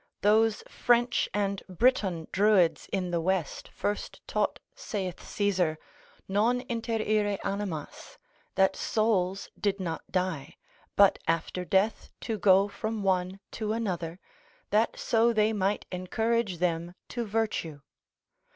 Those French and Briton Druids in the West first taught, saith Caesar, non interire animas (that souls did not die), but after death to go from one to another, that so they might encourage them to virtue.